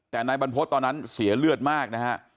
แต่นายบรรพฤษตอนนั้นเสียเลือดมากนะฮะ